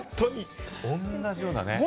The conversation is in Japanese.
同じようなね。